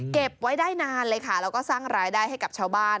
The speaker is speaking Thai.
เก็บไว้ได้นานเลยค่ะแล้วก็สร้างรายได้ให้กับชาวบ้าน